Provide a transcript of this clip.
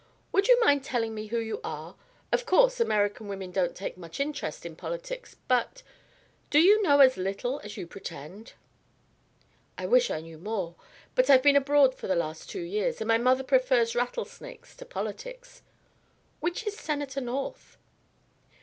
Would you mind telling me who you are? Of course American women don't take much interest in politics, but do you know as little as you pretend?" "I wish I knew more; but I've been abroad for the last two years, and my mother prefers rattlesnakes to politics. Which is Senator North?"